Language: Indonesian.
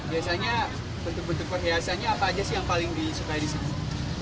biasanya bentuk bentuk perhiasannya apa aja sih yang paling disukai di sini